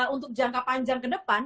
untuk jangka panjang ke depan